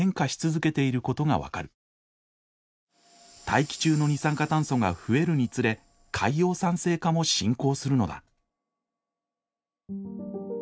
大気中の二酸化炭素が増えるにつれ海洋酸性化も進行するのだ。